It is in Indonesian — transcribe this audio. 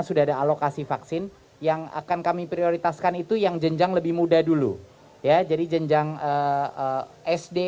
sudah ada alokasi vaksin yang akan kami prioritaskan itu yang jenjang lebih muda dulu ya jadi jenjang sd